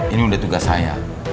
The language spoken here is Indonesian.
ini udah tugas saya